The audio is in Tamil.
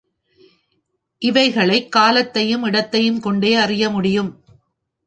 இவைகளைக் காலத்தையும் இடத்தையும் கொண்டே அறிய முடியும்.